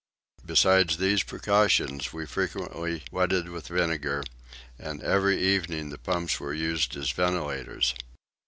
Besides these precautions we frequently wetted with vinegar, and every evening the pumps were used as ventilators.